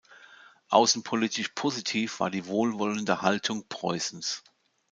Außenpolitisch positiv war die wohlwollende Haltung Preußens.